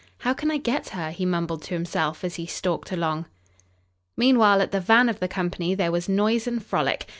"How can I get her?" he mumbled to himself, as he stalked along. Meanwhile, at the van of the company there was noise and frolic.